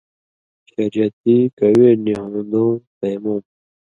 شریعتی، کہ وے نی ہُون٘دُوں تَیمُوم